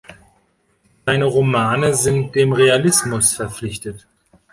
Seine Romane sind dem Realismus verpflichtet.